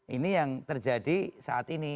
ini yang terjadi saat ini